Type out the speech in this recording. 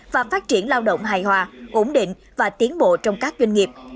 và phát triển lao động hài hòa ổn định và tiến bộ trong các doanh nghiệp